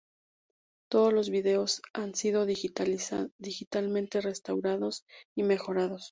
Todos los vídeos han sido digitalmente restaurados y mejorados.